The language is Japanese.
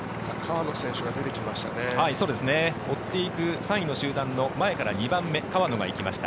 追っていく３位の集団の前から２番目川野が行きました。